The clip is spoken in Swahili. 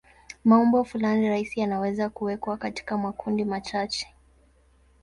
Maumbo fulani rahisi yanaweza kuwekwa katika makundi machache.